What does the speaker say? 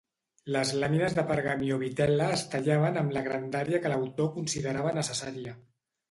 Les làmines de pergamí o vitel·la es tallaven amb la grandària que l'autor considerava necessària.